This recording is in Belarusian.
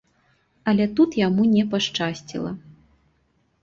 Але тут яму не пашчасціла.